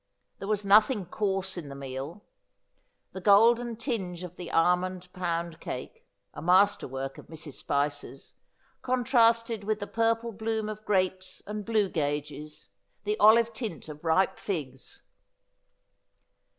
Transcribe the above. There was nothing coarse in the meal. The golden tinge of the almond pound cake — a master work of Mrs. Spicer's— contrasted with the purple bloom of grapes and blue gages, the olive tint of ripe figs.